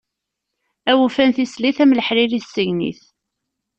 Awufan tislit am leḥrir i tsegnit!